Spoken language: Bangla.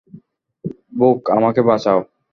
ব্যুক, আমাকে বাঁচাও!